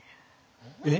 えっ？